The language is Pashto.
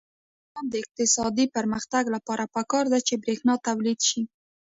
د افغانستان د اقتصادي پرمختګ لپاره پکار ده چې برښنا تولید شي.